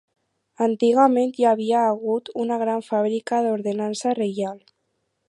Antigament hi havia hagut una gran Fàbrica d'Ordenança Reial.